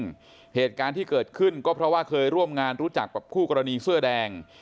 นี่ปรากฏอยู่ในคลิปจริงเหตุการณ์ที่เกิดขึ้นก็เพราะว่าเคยร่วมงานรู้จักกับคู่กรณีเสื้อแดง